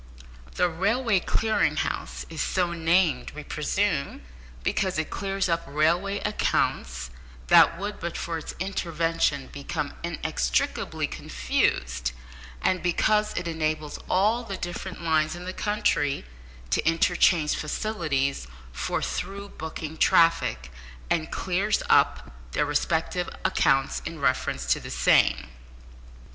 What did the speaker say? The Railway Clearing House is so named, we presume, because it clears up railway accounts that would, but for its intervention, become inextricably confused, and because it enables all the different lines in the country to interchange facilities for through booking traffic, and clears up their respective accounts in reference to the same.